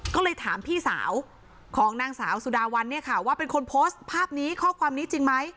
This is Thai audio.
ก็เลยถามพี่สาวของนางสาวสุดาวันเนี่ยค่ะว่าเป็นคนโพสต์ภาพนี้ข้อความนี้จริงไหม